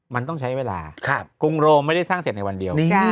มันต้องใช้เวลากรุงโรมไม่ได้สร้างเสร็จในวันเดียว